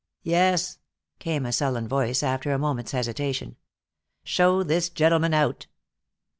"Yes," came a sullen voice, after a moment's hesitation. "Show this gentleman out."